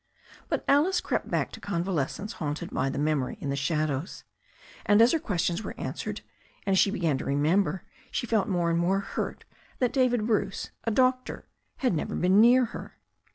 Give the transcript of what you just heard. But Alice crept back to convalescence haunted by that memory in the shadows. And as her questions were an swered, and as she began to remember, she felt more and more hurt that David Bruce, a doctor, had never been near her.